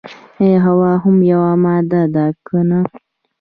ایا هوا هم یوه ماده ده که نه.